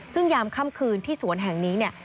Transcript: ซึ่งยามค่ำคืนที่สวนแห่งนี้เนี่ย